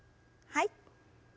はい。